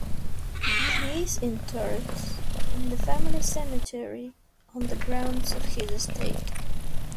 He is interred in the family cemetery on the grounds of his estate.